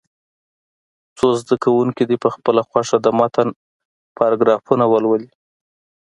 څو زده کوونکي دې په خپله خوښه د متن پاراګرافونه ولولي.